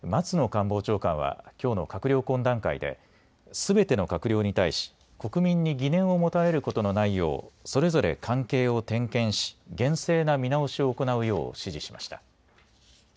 官房長官はきょうの閣僚懇談会ですべての閣僚に対し国民に疑念を持たれることのないようそれぞれ関係を点検し厳正な見直しを行うよう指示しました。